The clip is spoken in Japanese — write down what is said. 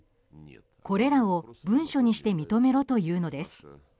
これらを文書にして認めろというのです。